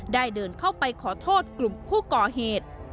เดินเข้าไปขอโทษกลุ่มผู้ก่อเหตุ